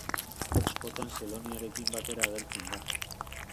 Askotan Seloniarekin batera agertzen da.